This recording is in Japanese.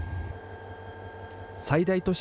最大都市